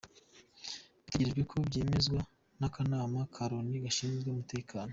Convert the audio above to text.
Bitegerejwe ko byemezwa n’Akanama ka Loni Gashinzwe Umutekano.